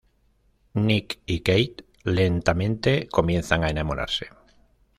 Nick y Kate lentamente comienzan a enamorarse.